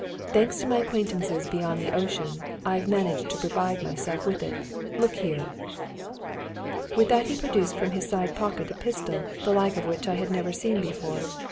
Thanks to my acquaintances beyond the ocean, I have managed to provide myself with it. Look here!" With that he produced from his side pocket a pistol, the like of which I had never seen before.